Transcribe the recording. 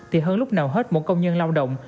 thì hơn lúc nào hết mỗi công nhân lao động